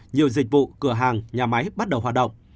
nhiều dịch vụ cửa hàng nhà máy bắt đầu hoạt động